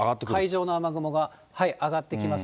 海上の雨雲が上がってきます。